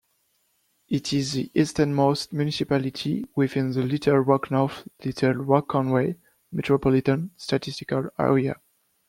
It is the easternmost municipality within the Little Rock-North Little Rock-Conway Metropolitan Statistical Area.